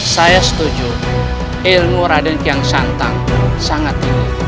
saya setuju ilmu raden yang santang sangat tinggi